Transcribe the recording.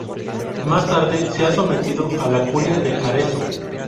Más tarde, se ha sometido a la curia de Arezzo.